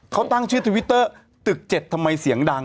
เขาตั้งชื่อทวิตเตอร์ตึก๗ทำไมเสียงดัง